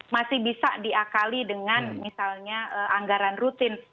masih bisa diakali dengan misalnya anggaran rutin